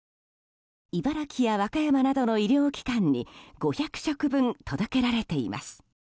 茨城や和歌山などの医療機関に５００食分届けられています。